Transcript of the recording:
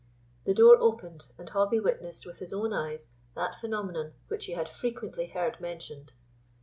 The door opened, and Hobbie witnessed with his own eyes that phenomenon which he had frequently heard mentioned.